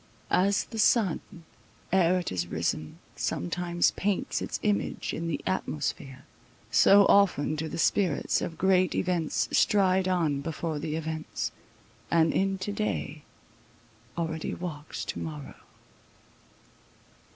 As the sun, Ere it is risen, sometimes paints its image In the atmosphere—so often do the spirits Of great events stride on before the events, And in to day already walks to morrow.